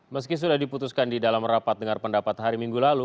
meski sudah diputuskan di dalam rapat dengar pendapat hari minggu lalu